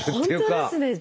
本当ですね！